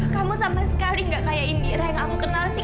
kamu sama sekali gak kayak indira yang aku kenal sih